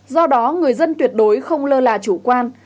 do đó người dân tuyệt đối không lơ là chủ quan